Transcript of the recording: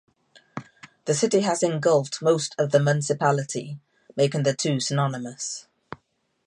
The city has engulfed most of the municipality, making the two synonymous.